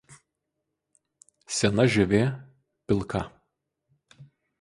Sena žievė pilka.